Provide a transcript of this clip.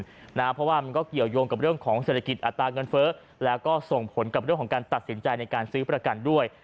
เพราะว่ามันก็เกี่ยวยงกับเรื่องของเศรษฐกิจอัตราเงินเฟ้อแล้วก็ส่งผลกับเรื่องของการตัดสินใจในการซื้อประกันด้วย